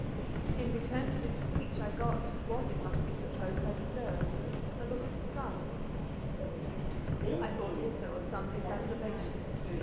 In return for this speech I got—what, it must be supposed, I deserved—a look of surprise: I thought also of some disapprobation.